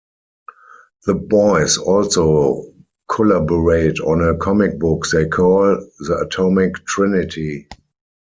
The boys also collaborate on a comic book they call "The Atomic Trinity".